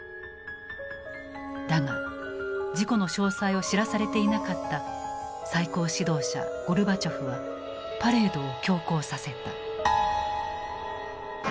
だが事故の詳細を知らされていなかった最高指導者ゴルバチョフはパレードを強行させた。